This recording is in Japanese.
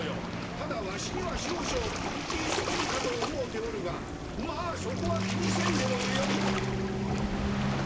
ただワシには少々プリティーすぎるかと思うておるがまあそこは気にせんでもよい。